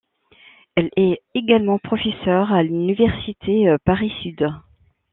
Elle est également professeure à l'Université Paris-Sud.